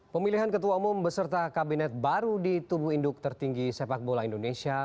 pemilihan ketua umum beserta kabinet baru di tubuh induk tertinggi sepak bola indonesia